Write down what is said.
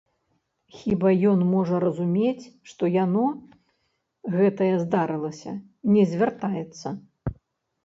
Хіба ён можа разумець, што яно, гэтае здарылася, не звяртаецца?